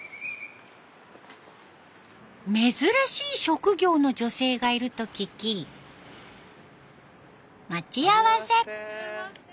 珍しい職業の女性がいると聞き待ち合わせ。